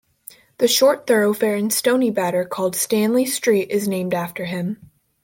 The short thoroughfare in Stoneybatter called Stanley Street is named after him.